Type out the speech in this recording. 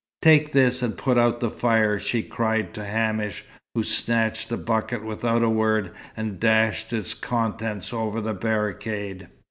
"Take this and put out the fire," she cried to Hamish, who snatched the bucket without a word, and dashed its contents over the barricade.